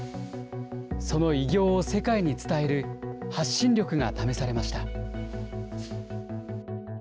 その偉業を世界に伝える発信力が試されました。